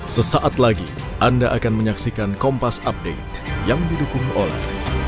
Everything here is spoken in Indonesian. sesaat lagi anda akan menyaksikan kompas update yang didukung oleh